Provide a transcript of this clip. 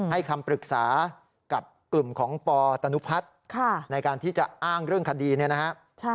ให้คำปรึกษากับกลุ่มของปตนุพัฒน์ในการที่จะอ้างเรื่องคดีเนี่ยนะครับ